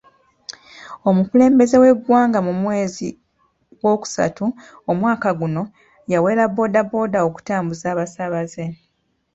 Omukulembeze w'eggwanga mu mwezi gw'okusatu omwaka guno yawera boda boda okutambuza abasaabaze.